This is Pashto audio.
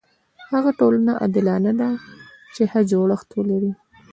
هغه ټولنه عادلانه ده چې ښه جوړښت ولري.